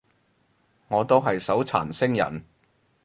我都係手殘星人